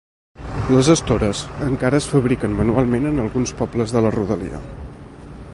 Les estores encara es fabriquen manualment en alguns pobles de la rodalia.